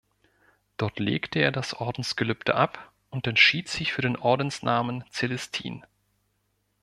Dort legte er das Ordensgelübde ab und entschied sich für den Ordensnamen „Celestin“.